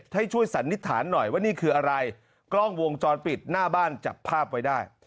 ให้ช่วยสันนิษฐานหน่อยว่านี่คืออะไรกล้องวงจรปิดหน้าบ้านจับภาพไว้ได้